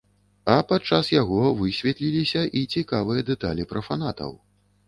А падчас яго высветліліся і цікавыя дэталі пра фанатаў.